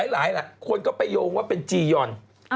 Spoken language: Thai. หลายคนก็ไปโยงว่าเป็นจียอน